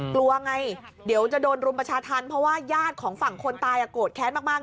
กลัวไงเดี๋ยวจะโดนรุมประชาธรรมเพราะว่าญาติของฝั่งคนตายโกรธแค้นมาก